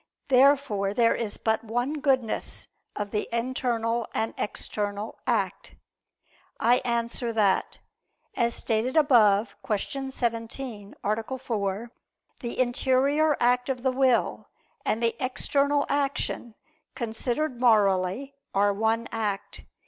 Therefore there is but one goodness of the internal and external act. I answer that, As stated above (Q. 17, A. 4), the interior act of the will, and the external action, considered morally, are one act.